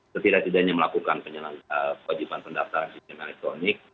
setidak tidaknya melakukan kewajiban pendaftaran sistem elektronik